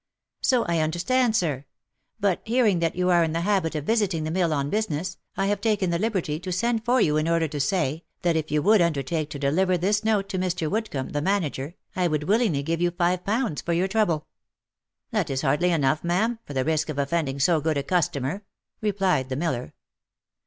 " So I understand, sir. But, hearing that you are in the habit of visiting the mill on business, I have taken the liberty to send for you in order to say, that if you would undertake to deliver this note to Mr. Woodcomb, the manager, I would willingly give you five pounds for your trouble." ""That is hardly enough, ma'am, for the risk of offending so good a customer," replied the miller.